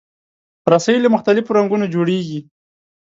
رسۍ له مختلفو رنګونو جوړېږي.